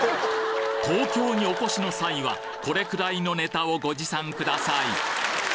東京にお越しの際は、これくらいのネタをご持参ください。